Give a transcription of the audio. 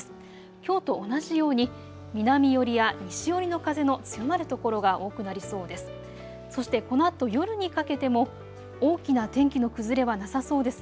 きょうと同じように南寄りや西寄りの風の強まる所が多くなりそうです。